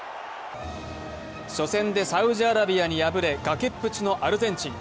初戦でサウジアラビアに敗れ、崖っぷちのアルゼンチン。